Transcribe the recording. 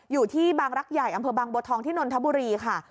อยู่ที่บางรักใหญ่อำเภอบางบัวทองที่นนทบุรีค่ะ